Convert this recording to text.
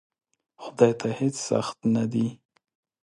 خدای ته هیڅ سخت نه دی!